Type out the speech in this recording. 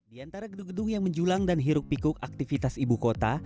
di antara gedung gedung yang menjulang dan hiruk pikuk aktivitas ibu kota